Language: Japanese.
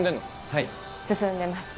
はい進んでます